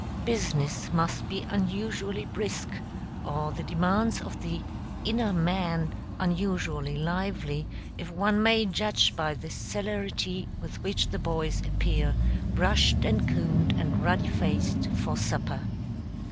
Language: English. Business must be unusually brisk, or the demands of the "inner man" unusually lively, if one may judge by the celerity with which the boys appear, brushed and combed and ruddy faced, for supper.